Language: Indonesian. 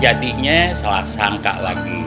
jadinya salah sangka lagi